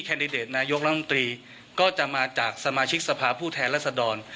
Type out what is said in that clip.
ดิเดตนายกรัฐมนตรีก็จะมาจากสมาชิกสภาพผู้แทนรัศดร